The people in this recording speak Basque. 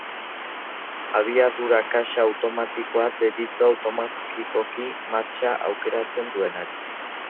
Abiadura-kaxa automatikoa deritzo automatikoki martxa aukeratzen duenari.